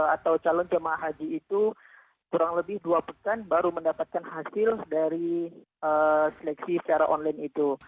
atau calon jemaah haji itu kurang lebih dua pekan baru mendapatkan hasil dari seleksi secara online itu